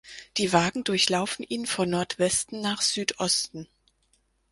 Die Wagen durchlaufen ihn von Nordwesten nach Südosten.